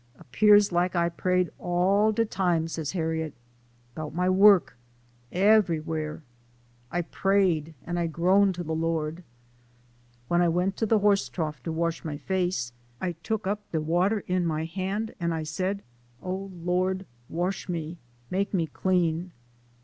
'Pears like I prayed all de tune," said Harriet ;" 'bout my work, everywhere, I prayed an' I groaned to de Lord. When I went to de horse trough to wash my face, I took up do water in my han' an' I said, ' Oh Lord, wash me, make me clean